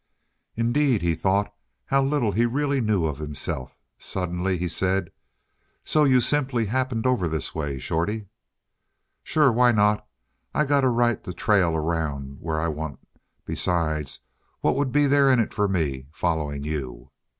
Indeed, he thought, how little he really knew of himself. Suddenly he said: "So you simply happened over this way, Shorty?" "Sure. Why not? I got a right to trail around where I want. Besides, what would there be in it for me following you?"